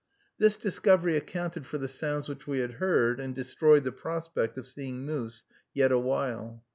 This discovery accounted for the sounds which we had heard, and destroyed the prospect of seeing moose yet awhile.